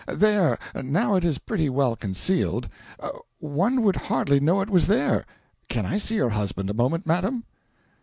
There now it is pretty well concealed; one would hardly know it was there. Can I see your husband a moment, madam?"